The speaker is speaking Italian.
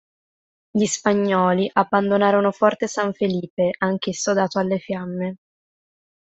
Gli spagnoli abbandonarono Forte San Felipe, anch'esso dato alle fiamme.